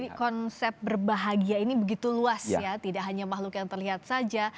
jadi konsep berbahagia ini begitu luas ya tidak hanya makhluk yang terlihat saja